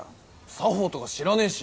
作法とか知らねえし。